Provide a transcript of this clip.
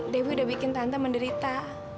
dewi udah bikin tante menderita